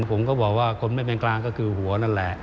ผมก็บอกว่าคนไม่เป็นกลางก็คือหัวนั่นแหละ